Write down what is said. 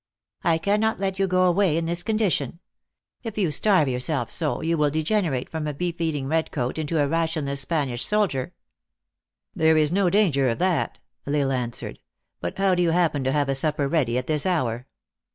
I cannot let you go away in this condition. If you starve yourself so, you will degenerate from a beef eating red coat, into a rationless Spanish soldier." " There is no danger of that," L Isle answered. " But how do you happen to have a supper ready at this hour?"